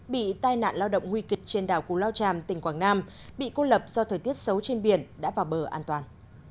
bị tai nạn lao động nguy kịch trên đảo cù lao tràm tỉnh quảng nam bị cô lập do thời tiết xấu trên biển đã vào bờ an toàn